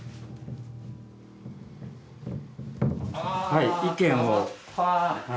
はい意見を。